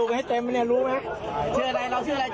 ใช่เชื่ออะไร